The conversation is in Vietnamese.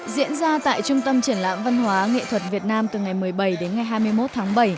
diễn ra tại trung tâm triển lãm văn hóa nghệ thuật việt nam từ ngày một mươi bảy đến ngày hai mươi một tháng bảy